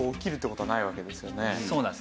そうなんです。